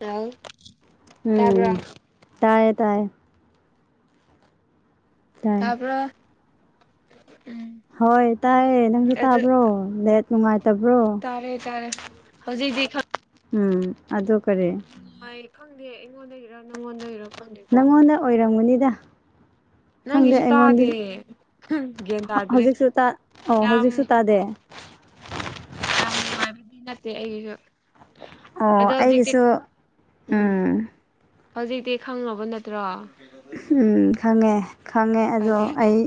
hello ꯇꯥꯕ꯭ꯔꯥ ꯎꯝ ꯇꯌꯦ ꯇꯌꯦ ꯇꯥꯏ ꯇꯕꯔꯣ ꯍꯣꯏ ꯇꯥꯏꯌꯦ ꯅꯪꯁꯨ ꯑꯗꯨ ꯇꯥꯕ꯭ꯔꯣ ꯅꯦꯠ ꯅꯨꯡꯉꯥꯏ ꯇꯥꯔꯦ ꯇꯥꯔꯦ ꯍꯧꯖꯤꯛꯇꯤ ꯎꯝ ꯑꯗꯨ ꯀꯔꯤ ꯐꯪꯗꯦ ꯑꯩꯉꯣꯟꯗꯒꯤꯔꯥ ꯅꯪꯉꯣꯟꯗꯒꯤꯔꯥ ꯅꯪꯉꯣꯟꯗ ꯑꯣꯏꯔꯝꯒꯅꯤꯗ ꯈꯪꯗꯦ ꯅꯪꯒꯤꯁꯨ ꯑꯩꯉꯣꯟꯗ ꯇꯥꯗꯦ ꯒ꯭ꯌꯥꯟ ꯇꯥꯗ꯭ꯔꯦ ꯍꯧꯖꯤꯛꯁꯨ ꯇꯥ ꯑꯣ ꯌꯥꯝ ꯍꯧꯖꯤꯛꯁꯨ ꯇꯥꯗꯦ ꯌꯥꯝ ꯅꯨꯡꯉꯥꯏꯕꯗꯤ ꯅꯠꯇꯦ ꯑꯩꯒꯤꯁꯨ ꯑꯣ ꯑꯗꯣ ꯍꯧꯖꯤꯛꯇꯤ ꯑꯩꯒꯤꯁꯨ ꯎꯝ ꯍꯧꯖꯤꯛꯇꯤ ꯈꯪꯉꯕ ꯅꯠꯇ꯭ꯔꯣ ꯎ ꯈꯪꯉꯦ ꯈꯪꯉꯦ ꯑꯗꯣ ꯑꯩ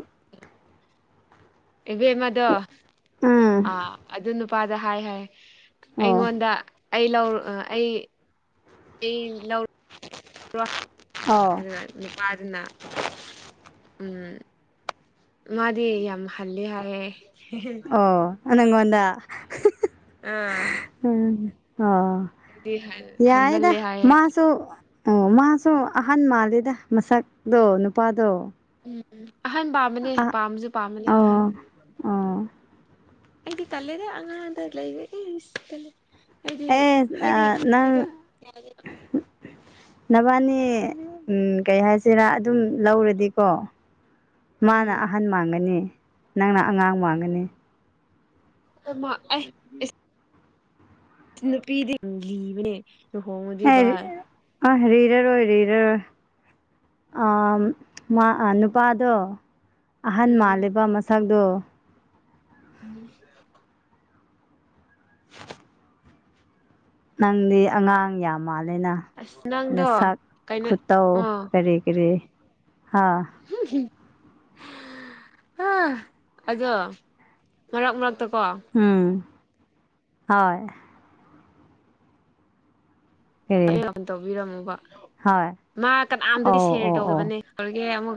ꯏꯕꯦꯝꯃꯗꯣ ꯎꯝ ꯑꯥ ꯑꯗꯨ ꯅꯨꯄꯥꯗ ꯍꯥꯏ ꯍꯥꯏ ꯑꯣ ꯏꯉꯣꯟꯗ ꯑꯩ ꯂꯧꯔ ꯑꯩ ꯂꯧꯔ ꯑꯣ ꯑꯗꯨ ꯅꯨꯄꯥꯗꯨꯅꯥ ꯎꯝ ꯃꯥꯗꯤ ꯌꯥꯝ ꯍꯜꯂꯦ ꯍꯥꯏꯌꯦ ꯅꯥꯉꯣꯟꯗꯥ ꯎꯝ ꯑꯣ ꯌꯥꯏꯗ ꯍꯟꯃꯜꯂꯦ ꯍꯥꯏꯌꯦ ꯃꯥꯁꯨ ꯑꯣ ꯃꯥꯁꯨ ꯑꯍꯟ ꯃꯥꯜꯂꯤꯗ ꯃꯁꯛꯇꯣ ꯅꯨꯄꯥꯗꯣ ꯎꯝ ꯑꯍꯟ ꯄꯥꯝꯕꯅꯦ ꯑ ꯄꯥꯝꯕꯁꯨ ꯄꯥꯝꯕꯅꯦ ꯑꯍꯟ ꯑꯣ ꯑꯣ ꯑꯩꯗꯤ ꯇꯜꯂꯦꯗ ꯑꯉꯥꯡꯗ ꯂꯩꯕꯥ ꯑꯩꯗꯤ ꯑꯦ ꯍꯥꯏꯗꯤꯗ ꯅꯪ ꯅꯕꯥꯅꯤ ꯎꯝ ꯀꯩ ꯍꯥꯏꯁꯤꯔꯥ ꯑꯗꯨꯝ ꯂꯧꯔꯗꯤꯀꯣ ꯃꯥꯅ ꯎꯝ ꯑꯍꯟ ꯃꯥꯟꯒꯅꯤ ꯅꯪꯅ ꯑꯉꯥꯡ ꯃꯟꯒꯅꯤ ꯑꯃ ꯑ ꯅꯨꯄꯤꯗꯤ ꯂꯤꯕꯅꯦ ꯂꯨꯍꯣꯡꯂꯥꯗꯤ ꯑ ꯔꯤꯔꯔꯣꯏ ꯔꯤꯔꯔꯣꯏ ꯑꯥ ꯃꯥ ꯅꯨꯄꯥꯗꯣ ꯑꯍꯟ ꯎꯝ ꯃꯥꯜꯂꯤꯕ ꯃꯁꯛ ꯇꯣ ꯎꯝ ꯒ ꯅꯪꯗꯤ ꯑꯉꯥꯡ ꯌꯥꯝ ꯃꯜꯂꯦꯅ ꯑꯁ ꯅꯪꯗꯣ ꯅꯁꯥꯛ ꯀꯩꯅꯣ ꯈꯨꯇꯧ ꯑꯣ ꯀꯔꯤ ꯀꯔꯤ ꯍꯥꯥ ꯑ ꯑꯗꯣ ꯃꯔꯛ ꯃꯔꯛ ꯇ ꯎꯝ ꯍꯣꯏ ꯀꯔꯤ ꯇꯧꯕꯤꯔꯝꯃꯣꯕ ꯍꯣꯏ ꯃꯥ ꯀꯅꯥꯝꯇꯗꯤ ꯑꯣ ꯁꯔ ꯑꯣ ꯑꯣ ꯇꯧꯕꯅꯦ ꯑꯃ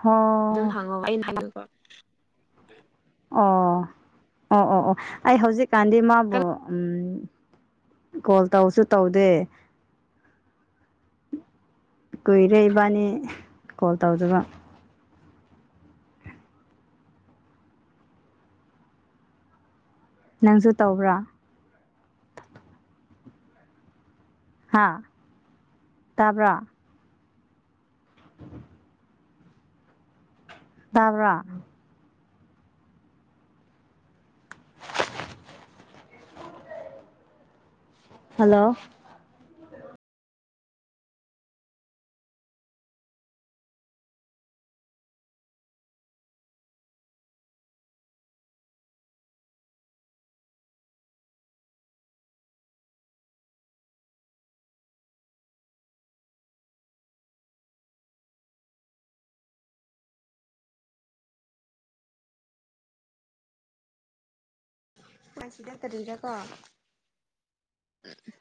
ꯍꯣ ꯑꯗꯨꯝ ꯍꯪꯉꯣꯕ ꯑꯩꯅ ꯍꯥꯏꯅꯤꯡ ꯑꯣ ꯑꯣ ꯑꯣ ꯑꯣ ꯑꯩ ꯍꯧꯖꯤꯛꯀꯥꯟꯗꯤ ꯃꯥꯕꯨ ꯎ ꯀꯣꯜ ꯇꯧꯁꯨ ꯇꯧꯗꯦ ꯑ ꯀꯨꯏꯔꯦ ꯏꯕꯥꯅꯤ ꯀꯣꯜ ꯇꯧꯗꯕ ꯅꯪꯁꯨ ꯇꯧꯕ꯭ꯔꯥ ꯍꯥꯥ ꯇꯕ꯭ꯔꯥ ꯕ ꯇꯥꯕ꯭ꯔꯥ ꯍꯜꯂꯣ ꯉꯥꯛꯇꯔꯤꯗ ꯀꯣ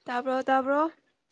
ꯇꯥ꯭ꯔꯣ ꯇꯥꯕ꯭ꯔꯣ